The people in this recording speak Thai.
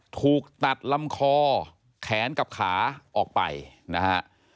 ถูกตัดลำคอแขนกับขาออกไปนะฮะ